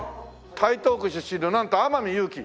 台東区出身のなんと天海祐希。